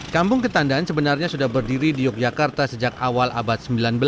kampung ketandan sebenarnya sudah berdiri di yogyakarta sejak awal abad sembilan belas